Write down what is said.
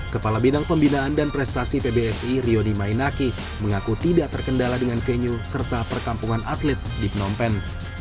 kepala bidang pembinaan dan prestasi pbsi rioni mainaki mengaku tidak terkendala dengan venue serta perkampungan atlet di phnom pen